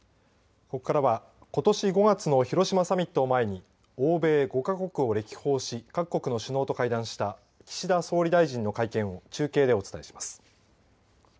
ここからはことし５月の広島サミットを前に欧米５か国を歴訪し各国の首脳と会談した岸田総理大臣の会見を中継でお伝えします。